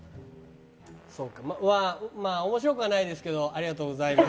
まあ面白くはないですけどありがとうございました。